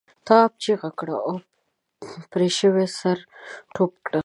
تواب چیغه کړه او پر پرې شوي سر ټوپ کړ.